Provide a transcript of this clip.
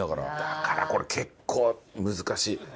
だからこれ結構難しい。